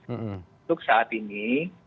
untuk saat ini